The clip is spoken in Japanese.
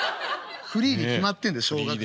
フリーに決まってんだ小学生。